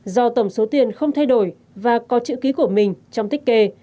do tổng số tiền không thay đổi và có chữ ký của mình trong tích kê